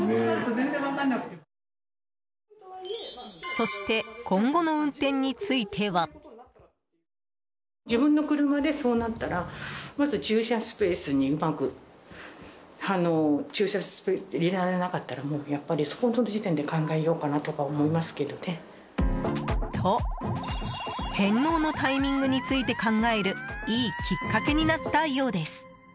そして、今後の運転については。と、返納のタイミングについて考えるいいきっかけになったようです。